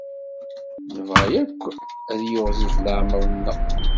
Nebɣa akk ad yiɣzif leɛmeṛ-nneɣ.